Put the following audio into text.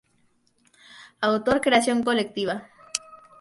Autor Creación Colectiva.